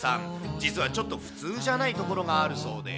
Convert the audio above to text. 実はちょっと普通じゃないところがあるそうで。